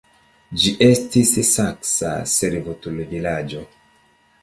Ĝi estis saksa servutulvilaĝo.